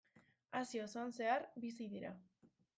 Asia osoan zehar bizi dira.